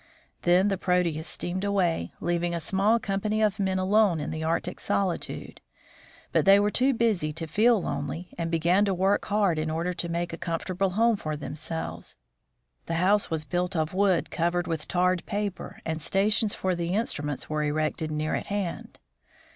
Then the Proteus steamed away, leaving a small company of men alone in the Arctic solitude. But they were too busy to feel lonely, and began to work hard in order to make a comfortable home for themselves. The house was built of wood covered with tarred paper, and stations for the instru ments were erected near at hand.